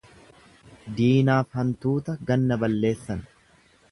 Diinaafi hantuuta ganna balleessan.